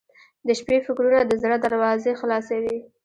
• د شپې فکرونه د زړه دروازې خلاصوي.